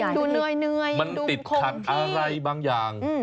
ดูเหนื่อยมันติดขัดอะไรบางอย่าง